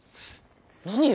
何よ。